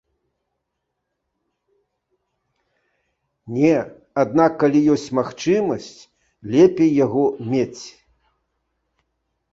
Не, аднак калі ёсць магчымасць, лепей яго мець.